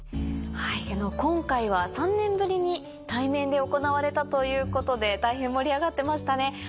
今回は３年ぶりに対面で行われたということで大変盛り上がってましたね。